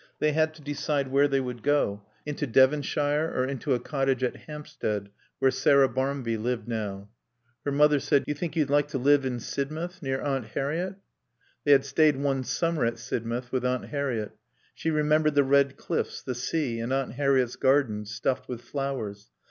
They had to decide where they would go: into Devonshire or into a cottage at Hampstead where Sarah Barmby lived now. Her mother said, "Do you think you'd like to live in Sidmouth, near Aunt Harriett?" They had stayed one summer at Sidmouth with Aunt Harriett. She remembered the red cliffs, the sea, and Aunt Harriett's garden stuffed with flowers.